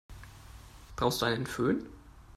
Brauchst du einen Fön?